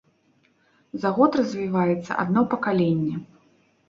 За год развіваецца адно пакаленне.